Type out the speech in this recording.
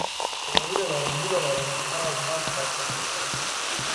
یوه هیله لرم هیله لرم چې هغه زما په خاطر تر سره کړې.